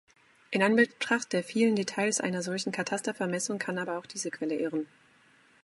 In Anbetracht der vielen Details einer solchen Katastervermessung kann aber auch diese Quelle irren.